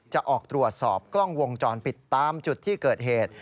จะออกตรวจสอบกล้องวงจรปิดตามจุดที่เกิดเหตุ